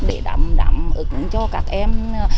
để đảm ứng cho các em